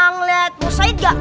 anglet mau syahid gak